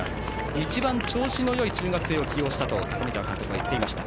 一番調子のよい中学生を起用したと高見澤監督が言っていました。